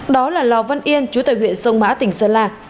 đó là lò văn yên chú tại huyện sông mã tỉnh sơn la